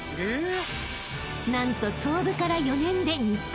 ［なんと創部から４年で日本一に］